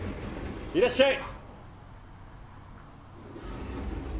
いらっしゃい。